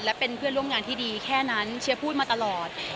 และเป็นเพื่อนร่วมงานที่ดีแค่นั้นเชียร์พูดมาตลอด